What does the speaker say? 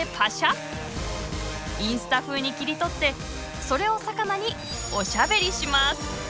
インスタ風に切り取ってそれをさかなにおしゃべりします。